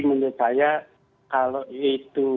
menurut saya kalau itu